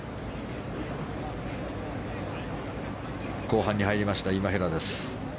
後半に入りました今平です。